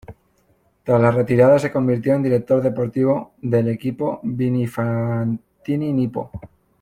Tras la retirada se convirtió en director deportivo deL equipo Vini Fantini-Nippo.